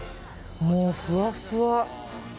もうふわふわ。